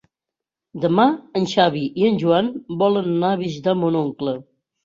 Demà en Xavi i en Joan volen anar a visitar mon oncle.